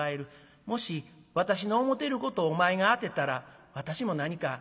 もし私の思てることをお前が当てたら私も何か賞品を出そうやないか」。